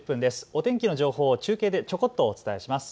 お天気の情報を中継でちょこっとお伝えします。